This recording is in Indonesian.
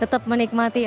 tetap menikmati ya pak